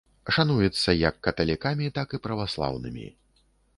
Шануецца як каталікамі, так і праваслаўнымі.